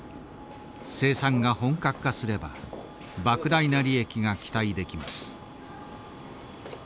生産が本格化すればばく大な利益が期待できます。